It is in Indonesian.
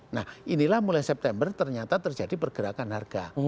nah inilah mulai september ternyata terjadi pergerakan harga